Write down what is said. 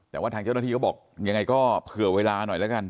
แต่ว่าทางเจ้าหน้าที่เขาบอกยังไงก็เผื่อเวลาหน่อยแล้วกัน